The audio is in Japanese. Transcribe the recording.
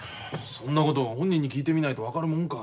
そんなこと本人に聞いてみないと分かるもんか。